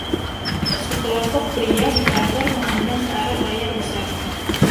Sekelompok pria di kantor memandang ke arah layar besar.